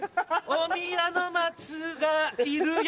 お宮の松がいるよ